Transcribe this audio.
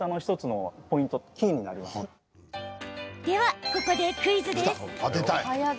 では、ここでクイズです。